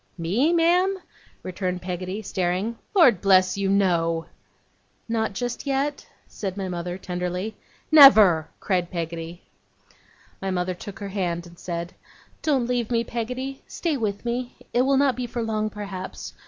'Me, ma'am?' returned Peggotty, staring. 'Lord bless you, no!' 'Not just yet?' said my mother, tenderly. 'Never!' cried Peggotty. My mother took her hand, and said: 'Don't leave me, Peggotty. Stay with me. It will not be for long, perhaps.